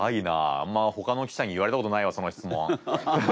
あんまほかの記者に言われたことないわその質問。